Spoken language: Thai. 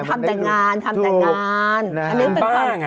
ทำแต่งานทำแต่งาน